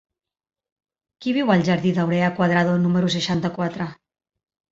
Qui viu al jardí d'Áurea Cuadrado número seixanta-quatre?